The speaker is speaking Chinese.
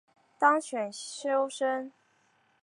当选修生